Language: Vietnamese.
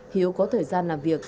hiếu có thời gian làm việc